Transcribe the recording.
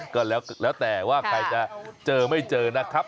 ก็แล้วแต่ว่าใครจะเจอไม่เจอนะครับ